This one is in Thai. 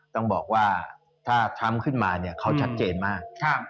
ต้องบอกว่าถ้าทรัมป์ขึ้นมาเนี่ยเขาชัดเจนมาก